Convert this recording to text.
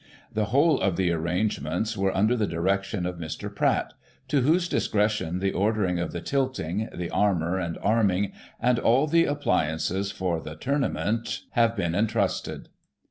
The whole of the arrangements were imder the direction of Mr. Pratt, to whose discretion the ordering of the tilting, the armour and arming, and all the appliances for the tournament have been entrusted.